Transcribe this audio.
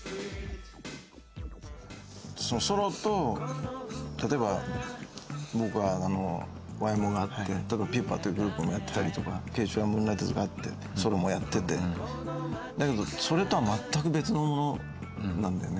ソロと例えば僕はあのＹＭＯがあってｐｕｐａというグループもやってたりとか慶一はムーンライダーズがあってソロもやっててだけどそれとは全く別のものなんだよね。